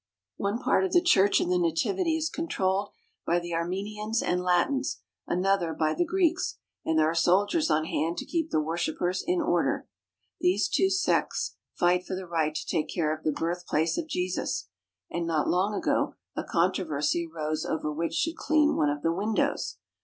One part of the Church of the Nativity is controlled by the Armenians and Latins, another by the Greeks, and there are soldiers on hand to keep the worshippers in order. These two sects fight for the right to take care of the birthplace of Jesus, and not long ago a controversy arose over which should clean one of the windows.